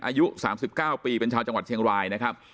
อายุ๓๙ปีเป็นชาวจังหวัดเชียงรายนะครับ